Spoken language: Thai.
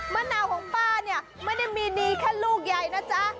มะนาวของป้าเนี่ยไม่ได้มีดีแค่ลูกใหญ่นะจ๊ะ